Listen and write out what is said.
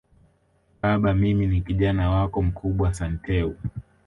Baba mimi ni Kijana wako mkubwa Santeu